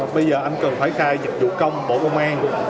bây giờ anh cần phải khai dịch vụ công bộ công an